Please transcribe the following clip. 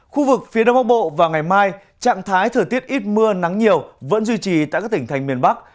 khu vực phía đông bắc bộ vào ngày mai trạng thái thời tiết ít mưa nắng nhiều vẫn duy trì tại các tỉnh thành miền bắc